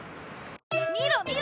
見ろ見ろ！